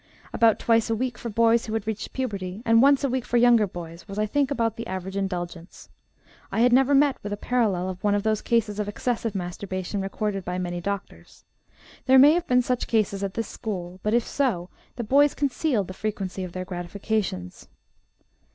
About twice a week for boys who had reached puberty, and once a week for younger boys, was, I think, about the average indulgence. I have never met with a parallel of one of those cases of excessive masturbation recorded by many doctors. There may have been such cases at this school; but, if so, the boys concealed the frequency of their gratifications.